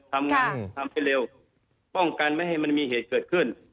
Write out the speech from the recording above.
ทำให้เร็วป้องกันไม่ให้มันมีเหตุเกิดขึ้น